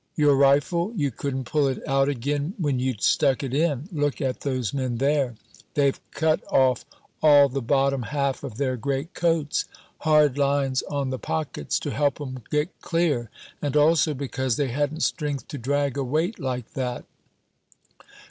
Your rifle? You couldn't pull it out again when you'd stuck it in. Look at those men, there. They've cut off all the bottom half of their great coats hard lines on the pockets to help 'em get clear, and also because they hadn't strength to drag a weight like that.